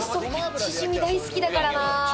チヂミ大好きだからな。